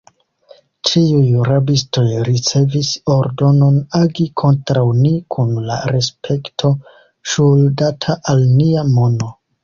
Ĉiuj rabistoj ricevis ordonon agi kontraŭ ni kun la respekto ŝuldata al nia mono.